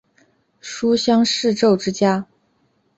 书香世胄之家。